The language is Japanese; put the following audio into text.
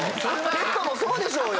ペットもそうでしょうよ。